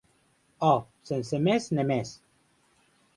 Òc, sense mès ne mès.